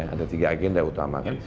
ada tiga agenda utamanya